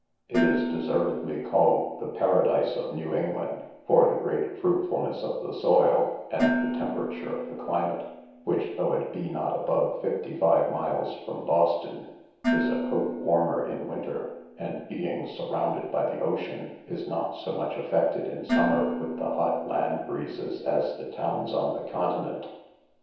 It is deservedly called the Paradise of New England, for the great fruitfulness of the soil, and the temperature of the climate, which, though it be not above fifty five miles from Boston, is a coat warmer in winter, and, being surrounded by the ocean, is not so much affected in summer with the hot land breezes as the towns on the continent.